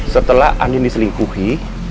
setelah andin diselingkuhi